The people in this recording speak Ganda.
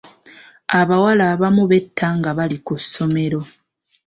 Abawala abamu betta nga bali ku ssomero.